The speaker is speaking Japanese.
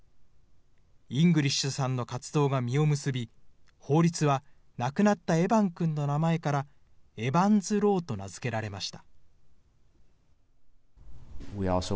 イングリッシュさんの活動が実を結び、法律は亡くなったエバンくんの名前からエバンズ・ローと名付けられました。